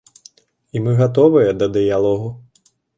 І мы гатовыя да дыялогу.